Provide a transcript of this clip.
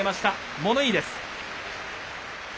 物言いです。